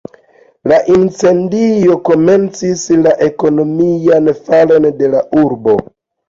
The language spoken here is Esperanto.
La incendio komencis la ekonomian falon de la urbo.